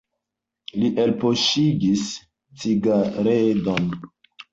Li elpoŝigis cigaredon.